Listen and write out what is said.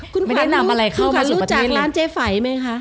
คือคุณฝันรู้จักร้านเจฝัยไหมคะ